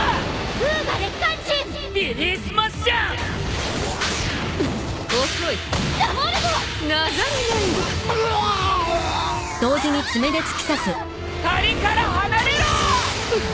２人から離れろ！！